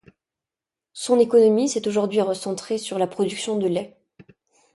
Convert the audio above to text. Son économie s'est aujourd'hui recentrée sur la production de lait.